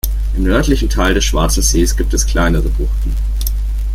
Im nördlichen Teil des Schwarzen Sees gibt es kleinere Buchten.